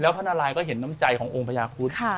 แล้วพระนาลัยก็เห็นน้ำใจขององค์พญาคุฑต์